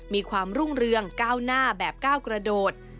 มีความรุ่งเรืองก้าวหน้าแบบก้าวกระโดด